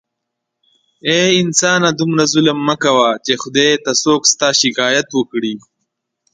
اې انسانه دومره ظلم مه کوه چې خدای ته څوک ستا شکایت وکړي